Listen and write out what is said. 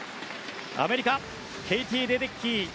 アメリカ、ケイティ・レデッキー